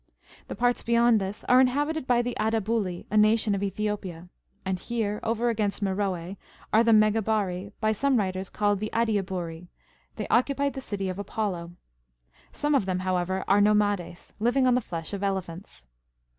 The parts beyond this are inhabited by the Adabuli, a nation of Ethiopia ; and here, over against Meroe, are the Megabarri,^* by some writers called the Adiabari ; they occupy the city of Apollo ; some of them, however, are !N'o mades, living on the ilesh of elephants.